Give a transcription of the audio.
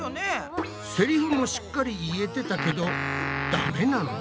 セリフもしっかり言えてたけどダメなの？